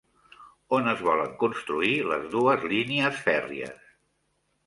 On es volen construir les dues línies fèrries?